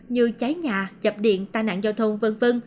như cháy nhà chập điện tai nạn giao thông v v